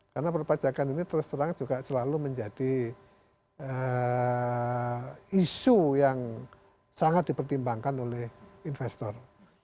karena perpajakan ini terserang juga selalu menjadi isu yang sangat dipertimbangkan oleh investor